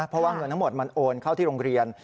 เพราะว่าเงินทั้งหมดมันโอนเข้าที่โรงเรียน